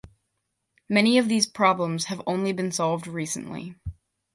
Many of these problems have only been solved recently.